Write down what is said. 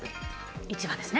１番ですね。